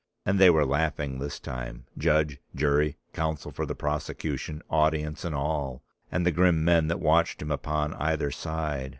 And they were laughing this time, judge, jury, counsel for the prosecution, audience and all, and the grim men that watched him upon either side.